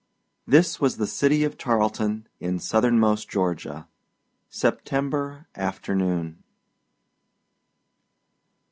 This was the city of Tarleton in southernmost Georgia, September afternoon.